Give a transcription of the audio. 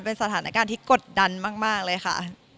เป็นสถานการณ์ที่กดดันมากเลยค่ะ